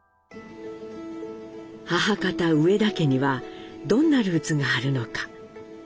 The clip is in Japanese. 母方・植田家にはどんなルーツがあるのか？